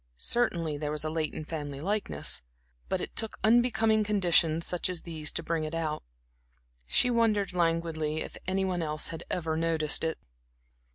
Certainly, there was a latent family likeness; but it took unbecoming conditions such as these to bring it out. She wondered languidly if any one else had ever noticed it.